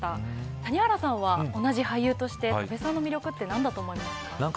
谷原さんは同じ俳優として多部さんの魅力ってなんだと思いますか。